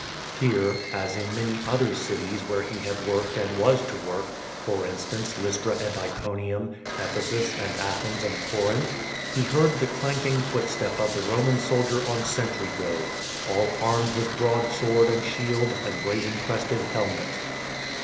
Here, as in many other cities where he had worked and was to work — for instance, Lystra and Iconium, Ephesus and Athens and Corinth — he heard the clanking footstep of the Roman soldier on sentry go — all armed with broad sword and shield and brazen crested helmet.